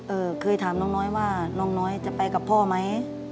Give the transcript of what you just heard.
เคยถามน้องน้อยว่าน้องน้อยจะไปกับพ่อไหม